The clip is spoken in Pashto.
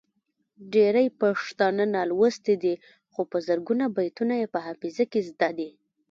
ډیری پښتانه نالوستي دي خو په زرګونو بیتونه یې په حافظه کې زده دي.